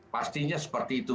pastinya seperti itu